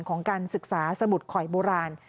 ของการศึกษาสมุดข่อยโบราณ